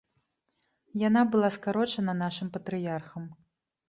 Яна была скарочана нашым патрыярхам.